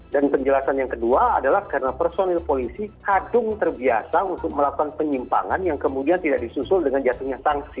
dan penjelasan yang kedua adalah karena personel polisi kadung terbiasa untuk melakukan penyimpangan yang kemudian tidak disusul dengan jasanya sanksi